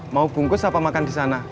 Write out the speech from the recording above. mau bungkus apa makan di sana